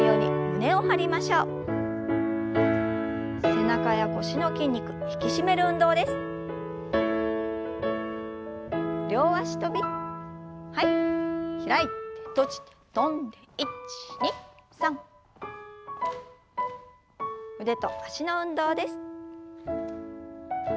腕と脚の運動です。